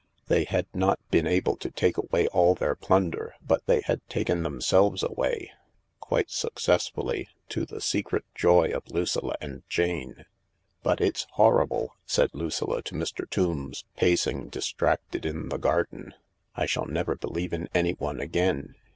They had not been able to take away all their plunder, but they had taken themselves away. Quite successfully— to the secret joy of Lucilla and Jane. " But it's horrible !" said Lucilla to Mr. Tombs, pacing distracted in the garden. " I shall never believe in anyone again.